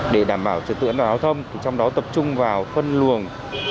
để đảm bảo trật tự an toàn giao thông trong đó tập trung vào phân luồng